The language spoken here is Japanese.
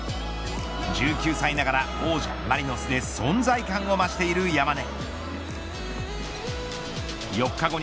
１９歳ながら王者マリノスで存在感を増している山根。